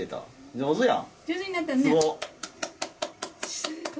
上手やん。